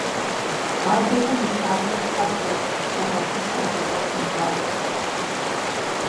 АдэкӀэ нысащӀэр хьэблэ, благъэ фызхэр зыщӀэсым щӀашэ.